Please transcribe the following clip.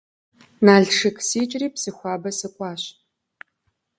Налшык сикӀри Псыхуабэ сыкӀуащ.